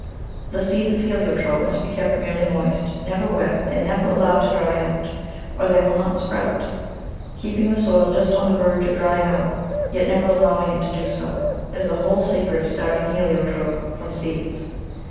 The seeds of Heliotrope must be kept merely moist, never wet and never allowed to dry out, or they will not sprout; keeping the soil just on the verge of dry ing out, yet never allowing it to do so, is the whole secret of starting Heliotrope from seeds.